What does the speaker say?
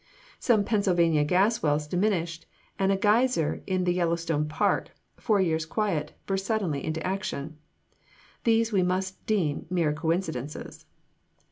Some Pennsylvania gas wells diminished, and a geyser in the Yellowstone Park, four years quiet, burst suddenly into action. These we must deem mere coincidences.